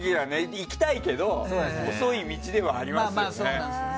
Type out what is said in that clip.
いきたいけど細い道ではありますよね。